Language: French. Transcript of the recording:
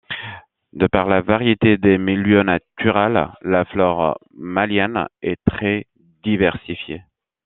De par la variété des milieux naturels, la flore malienne est très diversifiée.